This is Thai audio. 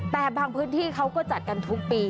แต่บางพื้นที่เขาก็จัดกันทุกปี